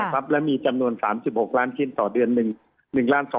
และมีจำนวน๓๖ล้านชิ้นต่อเดือน